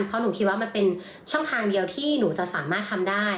เพราะหนูคิดว่ามันเป็นช่องทางเดียวที่หนูจะสามารถทำได้